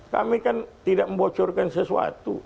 kami kan tidak membocorkan sesuatu